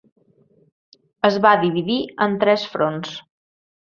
Es va dividir en tres fronts.